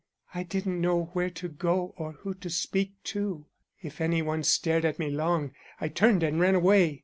I didn't know where to go or who to speak to. If any one stared at me long, I turned and ran away.